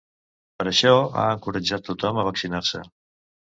Per això ha encoratjat tothom a vaccinar-se.